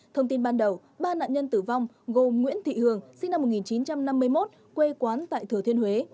thông tin ban đầu ba nạn nhân tử vong gồm nguyễn thị hường sinh năm một nghìn chín trăm năm mươi một quê quán tại thừa thiên huế